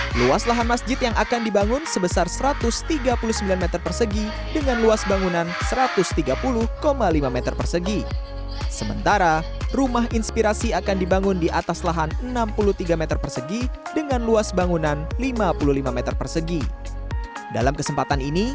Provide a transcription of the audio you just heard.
ketua ct arsa foundation ingin mengucapkan terima kasih yang penuh dengan pembangunan lthere implementasi melindungi materian abstract lima m dengan postural analysis dalam review makcings tahun helen henrich dan